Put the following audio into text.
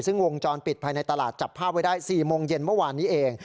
ซึ่งวงจรปิดภายในตลาดจับภาพไว้ได้๔โมงเย็นเมื่อวานนี้เอง